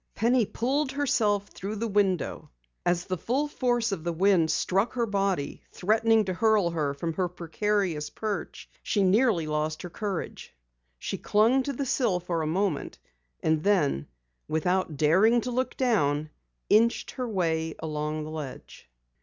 Penny pulled herself through the window. As the full force of the wind struck her body, threatening to hurl her from her precarious perch, she nearly lost her courage. She clung to the sill for a moment, and then without daring to look down, inched her way along the ledge.